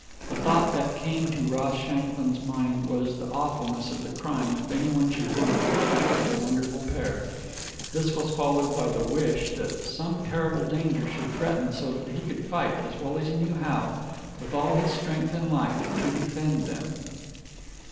The thought that came into Ross Shanklin's mind was the awfulness of the crime if any one should harm either of the wonderful pair. This was followed by the wish that some terrible danger should threaten, so that he could fight, as he well knew how, with all his strength and life, to defend them.